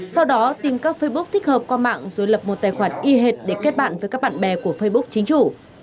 sau đó tìm các facebook thích hợp qua mạng rồi lập một tài khoản y hệt để kết bạn với các bạn bè của facebook chính chủ